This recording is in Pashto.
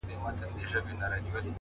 o پر تندي يې شنه خالونه زما بدن خوري،